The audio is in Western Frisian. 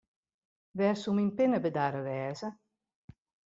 Hy wit it noch as de dei fan juster.